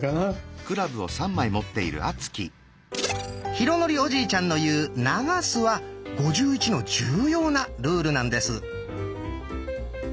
浩徳おじいちゃんのいう「流す」は「５１」の重要なルールなんです。